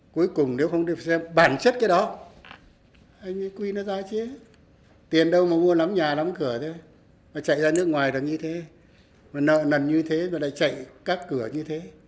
cuối cùng nếu không được xem bản chất cái đó anh ấy quy nó ra chứ tiền đâu mà mua lắm nhà lắm cửa thế mà chạy ra nước ngoài là như thế mà nợ nằn như thế mà lại chạy các cửa như thế